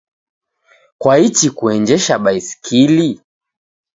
Kwaichi kuenjesha baskili?